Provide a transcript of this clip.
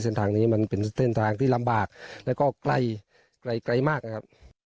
เส้นทางนี้มันเป็นเส้นทางที่ลำบากแล้วก็ใกล้ใกล้มากนะครับ